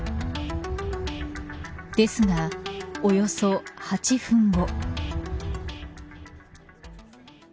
ですが、およそ８分後。